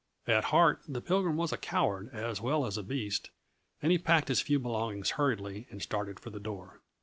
At heart the Pilgrim was a coward as well as a beast, and he packed his few belongings hurriedly and started for the door.